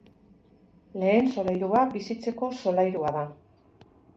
Lehen solairua bizitzeko solairua da.